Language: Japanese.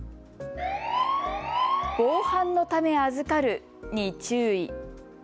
防犯のため預かるに注意。